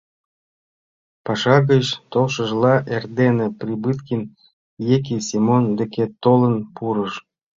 Паша гыч толшыжла, эрдене Прибыткин Еки Семон деке толын пурыш.